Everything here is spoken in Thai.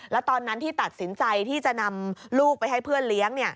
แล้วตอนนั้นที่ตัดสินใจที่จะนำลูกไปให้เพื่อนเลี้ยง